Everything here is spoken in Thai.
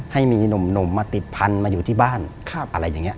ให้มีหนุ่มมาติดพันธุ์มาอยู่ที่บ้านอะไรอย่างนี้